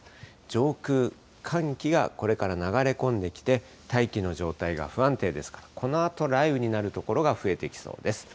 上空、寒気がこれから流れ込んできて、大気の状態が不安定ですから、このあと雷雨になる所が増えてきそうです。